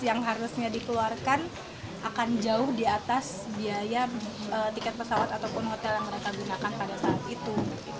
yang harusnya dikeluarkan akan jauh di atas biaya tiket pesawat ataupun hotel yang mereka gunakan pada saat itu